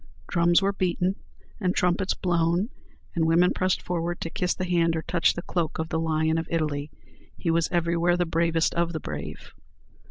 Drums were beaten, and trumpets blown, and women pressed forward to kiss the hand or touch the cloak of the Lion of Italy. He was everywhere the bravest of the brave.